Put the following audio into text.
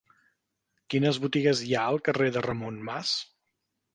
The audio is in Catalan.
Quines botigues hi ha al carrer de Ramon Mas?